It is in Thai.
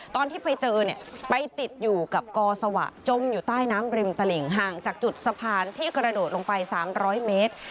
ตอนที่ไปเจอเนี่ยไปติดอยู่กับกอสวะจมอยู่ใต้น้ำริมตลิ่งห่างจากจุดสะพานที่กระโดดลงไป๓๐๐เมตร